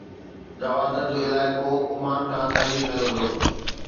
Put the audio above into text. گوادر جو علائقو عمان کان خريد ڪيو ويو.